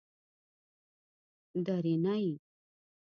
درېنۍ